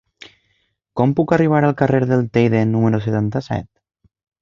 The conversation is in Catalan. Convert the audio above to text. Com puc arribar al carrer del Teide número setanta-set?